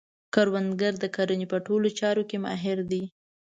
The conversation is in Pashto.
کروندګر د کرنې په ټولو چارو کې ماهر دی